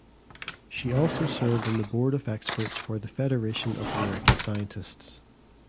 She also served on the board of experts for the Federation of American Scientists.